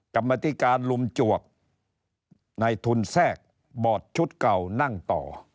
กรรมธิการลุมจวกในทุนแทรกบอร์ดชุดเก่านั่งต่อ